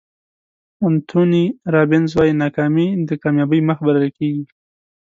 انتوني رابینز وایي ناکامي د کامیابۍ مخ بلل کېږي.